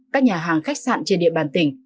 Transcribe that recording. các nhà hàng khách sạn trên địa bàn tỉnh